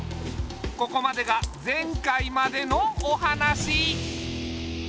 ここまでが前回までのお話。